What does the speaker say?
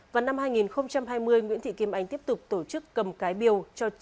vào năm hai nghìn hai mươi nguyễn thị kim anh tiếp tục tổ chức cầm cái biêu